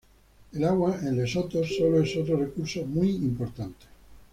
El agua en Lesoto solo es otro recurso muy importante.